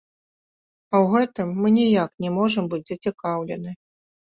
А ў гэтым мы ніяк не можам быць зацікаўлены.